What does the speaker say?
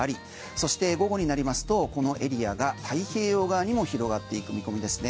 そして、午後になりますとこのエリアが太平洋側にも広がっていく見込みですね。